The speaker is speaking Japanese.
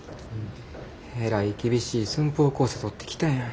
えらい厳しい寸法公差取ってきたやん。